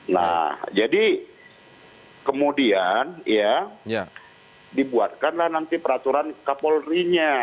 nah jadi kemudian ya dibuatkanlah nanti peraturan kapolri nya